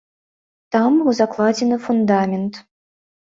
Там быў закладзены фундамент.